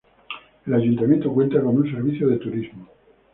El Ayuntamiento cuenta con un Servicio de Turismo.